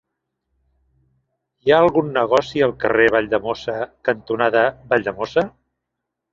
Hi ha algun negoci al carrer Valldemossa cantonada Valldemossa?